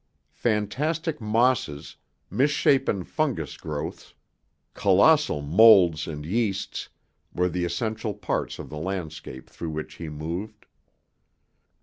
Fantastic mosses, misshapen fungus growths, colossal molds and yeasts, were the essential parts of the landscape through which he moved.